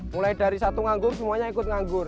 mulai dari satu nganggur semuanya ikut nganggur